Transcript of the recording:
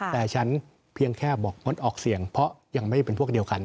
แต่ฉันเพียงแค่บอกงดออกเสียงเพราะยังไม่ได้เป็นพวกเดียวกัน